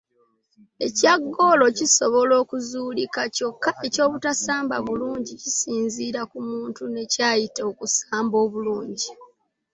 Ekya ggoolo kisobola okuzuulika kyokka eky’obutasamba bulungi kisinziira ku muntu ne ky’ayita okusamba obulungi.